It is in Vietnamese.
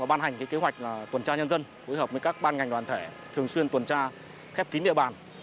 ban hành kế hoạch tuần tra nhân dân phối hợp với các ban ngành đoàn thể thường xuyên tuần tra khép kín địa bàn